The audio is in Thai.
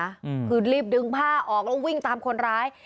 ตามไปด้วยนะคือรีบดึงผ้าออกแล้ววิ่งตามคนร้าย